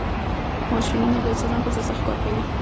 ماشینونه د انسانانو پر ځای سخت کارونه کوي.